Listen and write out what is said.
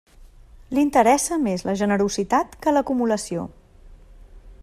L'interessa més la generositat que l'acumulació.